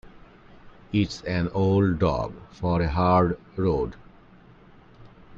It's an old dog for a hard road.